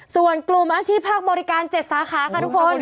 ส่วนกลุ่มอาชีพภาคบริการ๗สาขาค่ะทุกคน